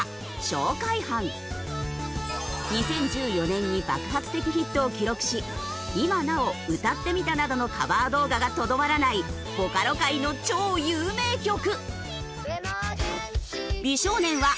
２０１４年に爆発的ヒットを記録し今なお「歌ってみた」などのカバー動画がとどまらないボカロ界の超有名曲。